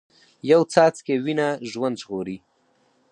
یو څاڅکی وینه ژوند ژغوري